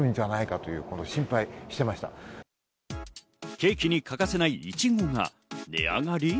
ケーキに欠かせないイチゴが値上がり？